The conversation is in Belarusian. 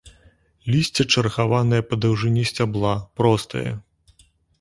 Лісце чаргаванае па даўжыні сцябла, простае.